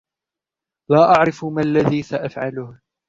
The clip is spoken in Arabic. لا أعرف ما الذي سأفعله ؟